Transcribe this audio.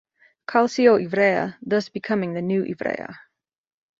Calcio Ivrea, thus becoming the new "Ivrea".